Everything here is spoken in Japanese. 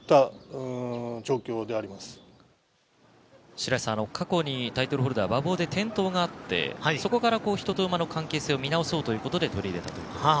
白井さん、過去にタイトルホルダー、馬房で転倒があって、そこから人と馬の関係性を見直そうということで取り入れたと。